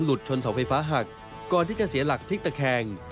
หลุดชนสาวไฟฟ้าหักก่อนที่จะเสียหลักกริ้กตะแครง